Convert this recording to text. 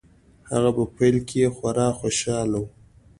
هغه په پيل کې خورا خوشحاله و.